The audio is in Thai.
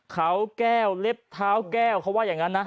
ขาวแก้วเล็บเท้าแก้ว